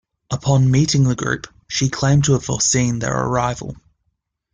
Upon meeting the group, she claimed to have foreseen their arrival.